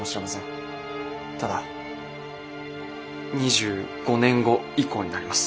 ただ２５年後以降になります。